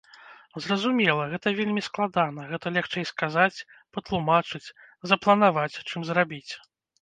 Зразумела, гэта вельмі складана, гэта лягчэй сказаць, патлумачыць, запланаваць, чым зрабіць.